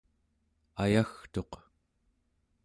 ayagtuq